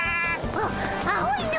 あっ青いの！